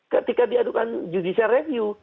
ketika diadukan judisya review